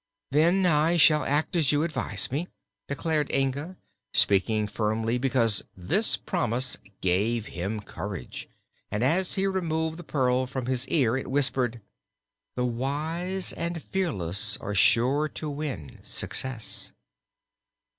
"Then I shall act as you advise me," declared Inga, speaking firmly because this promise gave him courage, and as he removed the pearl from his ear it whispered: "The wise and fearless are sure to win success."